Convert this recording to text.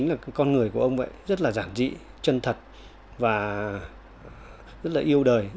nhưng cũng lại rất tập trưng của hà nội